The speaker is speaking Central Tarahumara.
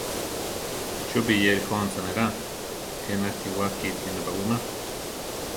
¿Chúp iyerí jónsa nerá, ké nakiwá kíti napawíma?